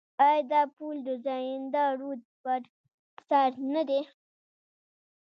آیا دا پل د زاینده رود پر سر نه دی؟